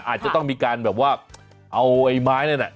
อาจจะต้องมีการแบบว่าเอาไอ้ไม้นั่นน่ะ